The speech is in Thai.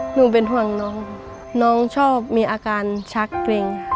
หนูเป็นห่วงน้องน้องชอบมีอาการชักเกร็งค่ะ